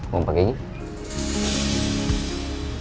mau pake gini